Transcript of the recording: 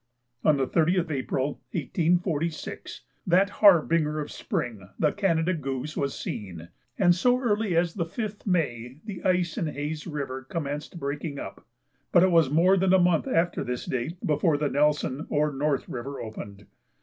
On the 30th April, 1846, that harbinger of spring, the Canada goose, was seen; and so early as the 5th May the ice in Hayes' River commenced breaking up; but it was more than a month after this date before the Nelson or North River opened.